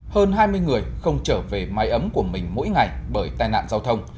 hơn hai mươi người không trở về mái ấm của mình mỗi ngày bởi tai nạn giao thông